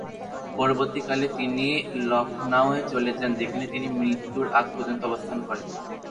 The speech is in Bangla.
পরবর্তীকালে তিনি লখনউ চলে যান, সেখানে তিনি মৃত্যুর আগ-পর্যন্ত অবস্থান করেন।